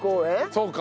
そうか。